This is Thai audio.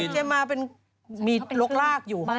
เจมมามีโลกรากอยู่